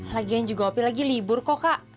lagian juga opi lagi libur kok kak